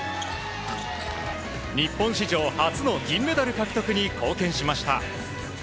日本史上初の銀メダル獲得に貢献しました。